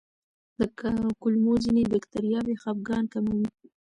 د کولمو ځینې بکتریاوې خپګان کموي.